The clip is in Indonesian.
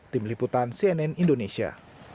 tim liputan cnn indonesia